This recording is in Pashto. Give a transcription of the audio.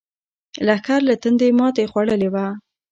لښکر له تندې ماتې خوړلې وه.